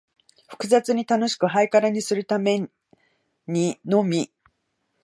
複雑に楽しく、ハイカラにするためにのみ、